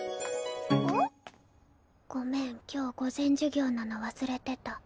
ごめん今日午前授業なの忘れてた。